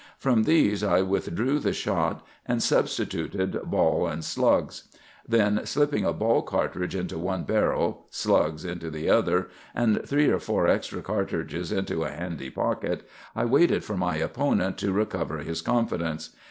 From these I withdrew the shot, and substituted ball and slugs. Then, slipping a ball cartridge into one barrel, slugs into the other, and three or four extra cartridges into a handy pocket, I waited for my opponent to recover his confidence.